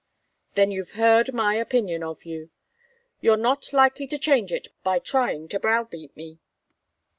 "Then you've heard my opinion of you. You're not likely to change it by trying to browbeat me."